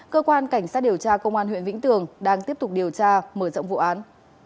cơ quan cảnh sát điều tra công an huyện vĩnh tường đang tiếp tục điều tra mở rộng vụ án